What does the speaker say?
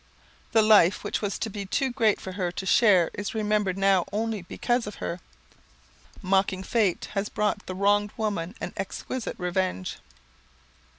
The life which was to be too great for her to share is remembered now only because of her. Mocking Fate has brought the wronged woman an exquisite revenge.